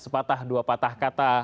pada saat ini